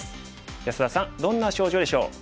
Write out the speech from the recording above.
安田さんどんな症状でしょう？